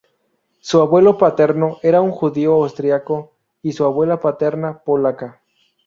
Su abuelo paterno era un judío austriaco y su abuela paterna, polaca.